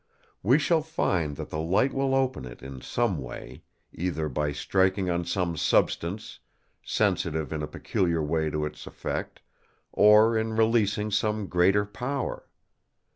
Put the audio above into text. We shall find that the light will open it in some way: either by striking on some substance, sensitive in a peculiar way to its effect, or in releasing some greater power.